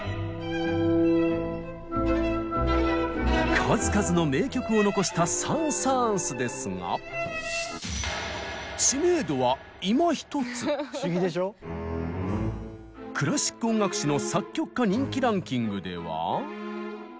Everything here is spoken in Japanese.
数々の名曲を残したサン・サーンスですがクラシック音楽誌の作曲家人気ランキングでは。